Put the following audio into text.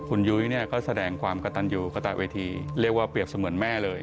คุณยุ้ยเนี่ยก็แสดงความกระตันอยู่กระตะเวทีเรียกว่าเปรียบเสมือนแม่เลย